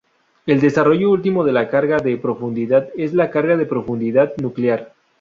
El desarrollo último de la carga de profundidad es la carga de profundidad nuclear.